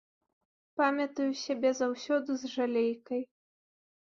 Памятаю сябе заўсёды з жалейкай.